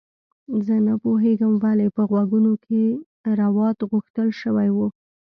زه نه پوهیږم ولې په غوږونو کې روات غوښتل شوي وو